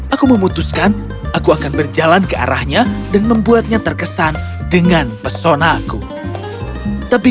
aku memutuskan aku akan berjalan ke arahnya dan membuatnya terkesan dengan pesona aku tapi